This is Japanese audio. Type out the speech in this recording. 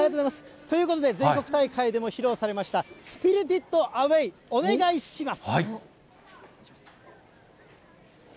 ということで、全国大会でも披露されました、スピリティッド・アウェイ、お願いします。